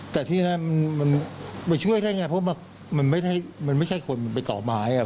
แต่ที่นั้นมันช่วยได้ยังไงเพราะมันไม่ใช่คนมันเป็นต่อหมาย